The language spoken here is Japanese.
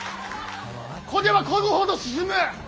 こげばこぐほど進む。